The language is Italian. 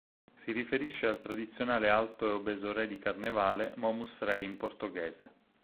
Si riferisce al tradizionale alto e obeso re di Carnevale, Momus-Rei in portoghese.